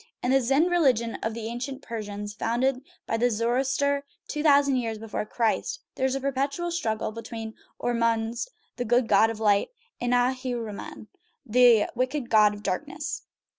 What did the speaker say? In the Zend religion of the ancient Persians, founded by Zoroaster two thousand years before Christ, there is a perpetual struggle between Ormuzd, the good god of light, and Ahriman, the wicked god of darkness.